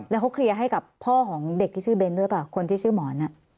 แล้วเขาเคลียร์ให้กับพ่อของเด็กที่ชื่อเน้นด้วยเปล่าคนที่ชื่อหมอน